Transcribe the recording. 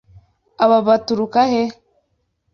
Aba baturuka he?